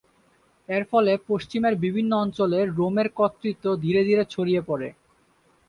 এর ফলে পশ্চিমের বিভিন্ন অঞ্চলেও রোমের কর্তৃত্ব ধীরে ধীরে ছড়িয়ে পড়ে।